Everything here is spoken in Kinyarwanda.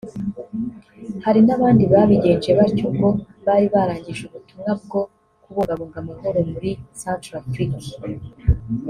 Hari n’abandi babigenje batyo ubwo bari barangije ubutumwa bwo kubungabunga amahoro muri Centrafrique